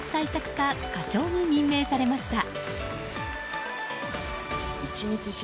課課長に任命されました。